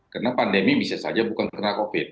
karena pandemi bisa saja bukan karena covid